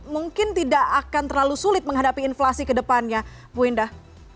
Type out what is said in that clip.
mungkin tidak akan terlalu sulit menghadapi inflasi ke depannya bu indah